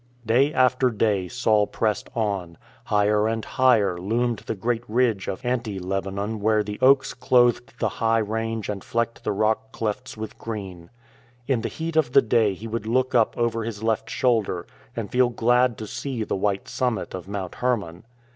Day after day Saul pressed on. Higher and higher loomed the great ridge of Anti Lebanon where the oaks clothed the high range and flecked the rock clefts with green. In the heat of the day he would look up over his left shoulder and feel glad to see the white summit of Mount Hermon.